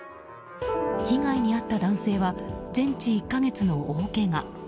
被害に遭った男性は全治１か月の大けが。